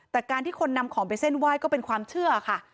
แต่การที่คนนำของไปเส้นไหว้ก็เป็นความเชื่อค่ะ